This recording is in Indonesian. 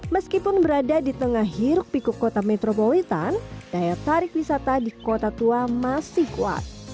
meskipun berada di tengah hiruk pikuk kota metropolitan daya tarik wisata di kota tua masih kuat